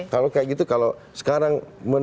kalau kayak gitu kalau sekarang